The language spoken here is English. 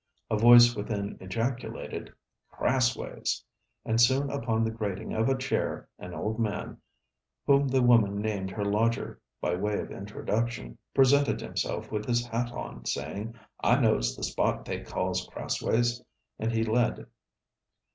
A voice within ejaculated: 'Crassways!' and soon upon the grating of a chair, an old man, whom the woman named her lodger, by way of introduction, presented himself with his hat on, saying: 'I knows the spot they calls Crassways,' and he led.